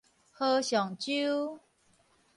河上洲